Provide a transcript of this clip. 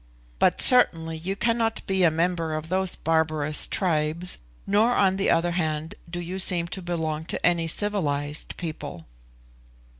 But certainly you cannot be a member of those barbarous tribes, nor, on the other hand, do you seem to belong to any civilised people."